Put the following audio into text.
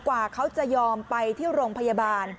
กว่าเขาจะยอมไปที่โรงพยาบาล